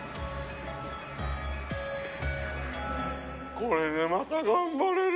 これでまた頑張れる。